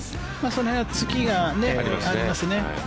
その辺はツキがありますね。